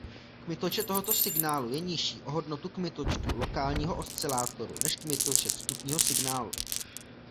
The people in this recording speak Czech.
Kmitočet tohoto signálu je nižší o hodnotu kmitočtu lokálního oscilátoru než kmitočet vstupního signálu.